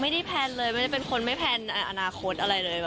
แพลนเลยไม่ได้เป็นคนไม่แพลนอนาคตอะไรเลย